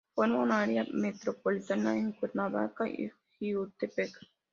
Forma un área metropolitana con Cuernavaca y Jiutepec.